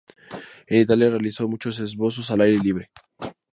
En Italia realizó mucho esbozos al aire libre.